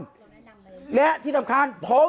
การแก้เคล็ดบางอย่างแค่นั้นเอง